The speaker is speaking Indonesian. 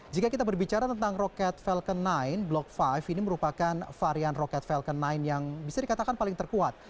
jika kita berbicara tentang roket falcon sembilan block lima ini merupakan varian roket falcon sembilan yang bisa dikatakan paling terkuat